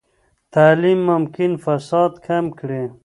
تعلیم ممکن فساد کم کړي.